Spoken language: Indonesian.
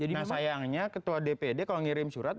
nah sayangnya ketua dpd kalau ngirim surat